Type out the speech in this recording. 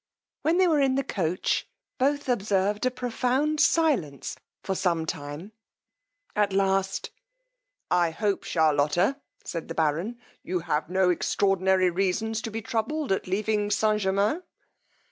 When they were in the coach both observed a profound silence for some time; at last, I hope Charlotta, said the baron, you have no extraordinary reasons to be troubled at leaving St. Germains?